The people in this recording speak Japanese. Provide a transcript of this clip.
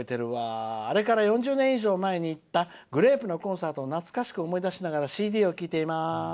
「あれから４０年以上前に行ったグレープのコンサートを思い出しながらＣＤを聴いています」。